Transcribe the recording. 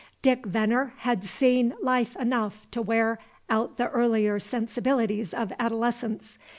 Dick Venner had seen life enough to wear out the earlier sensibilities of adolescence.